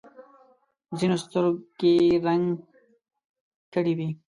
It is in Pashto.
ځینو سترګې رنګ کړې وي.